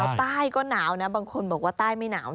อีสานก็หนาวใต้ก็หนาวบางคนบอกว่าใต้ไม่หนาว